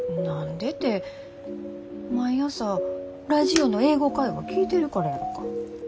何でて毎朝ラジオの「英語会話」聴いてるからやろか。